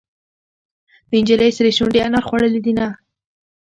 د نجلۍ سرې شونډې انار خوړلې دينهه.